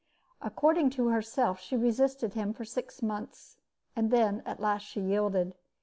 According to herself, she resisted him for six months, and then at last she yielded.